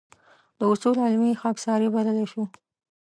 دا اصول علمي خاکساري بللی شو.